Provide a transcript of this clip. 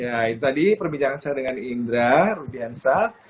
ya itu tadi perbincangan saya dengan indra rudiansat